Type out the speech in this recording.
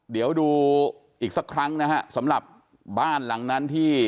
เดี๋ยวดูอีกสักครั้งนะฮะสำหรับบ้านหลังนั้นที่